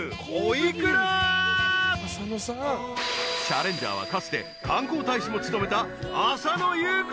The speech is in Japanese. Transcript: ［チャレンジャーはかつて観光大使も務めた］